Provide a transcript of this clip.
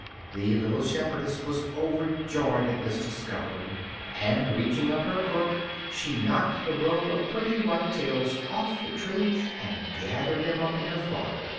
The little shepherdess was overjoyed at this discovery, and, reaching up her crook, she knocked the row of pretty white tails off the tree and gathered them up in her frock.